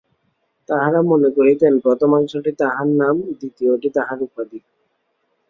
তাঁহারা মনে করিতেন, প্রথমাংশটি তাঁহার নাম, দ্বিতীয়টি তাঁহার উপাধি।